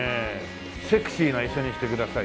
セクシーな椅子にしてください。